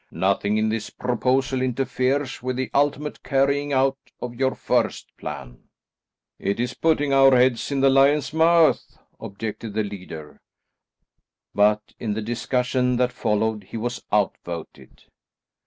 Nothing in this proposal interferes with the ultimate carrying out of your first plan." "It is putting our heads in the lion's mouth," objected the leader, but in the discussion that followed he was outvoted.